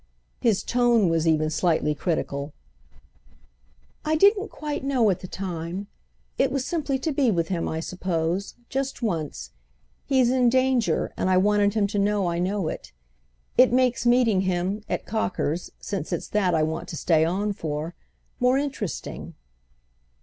His tone was even slightly critical. "I didn't quite know at the time. It was simply to be with him, I suppose—just once. He's in danger, and I wanted him to know I know it. It makes meeting him—at Cocker's, since it's that I want to stay on for—more interesting."